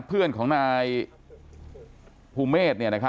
เพื่อนของนายภูเมฆเนี่ยนะครับ